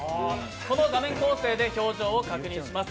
この画面構成で表情を確認します。